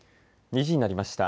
２時になりました。